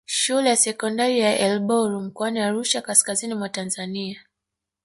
Shule ya sekondari ya Elboro mkoani Arusha kaskazini mwa Tanzania